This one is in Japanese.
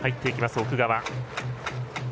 奥川。